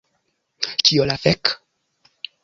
Kio la fek...